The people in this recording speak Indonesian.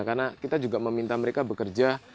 karena kita juga meminta mereka bekerja